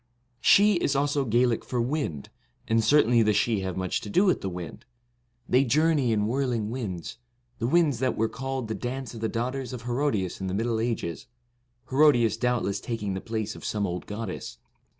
Sidhe is also Gaelic for wind, and certainly the Sidhe have much to do with the wind. They journey in whirling winds, the winds that were called the dance of the daugh ters of Herodias in the Middle Ages, Hero dias doubtless taking the place of some old goddess.